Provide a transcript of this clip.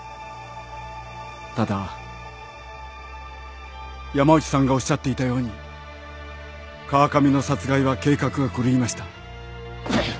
ただ山内さんがおっしゃっていたように川上の殺害は計画が狂いました。